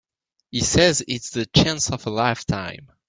He says it's the chance of a lifetime.